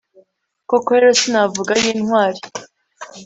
koko rero sinavuga ay'intwari